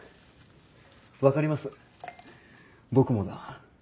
分かります僕もだ。